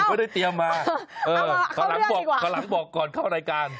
ไม่ได้เตรียมมาขอหลังบอกก่อนเข้ารายการ